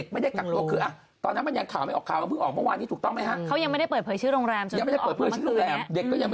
พี่น้องจะไม่ได้กลับตัวคือตอนนั้นมันยังข่าวไม่ออก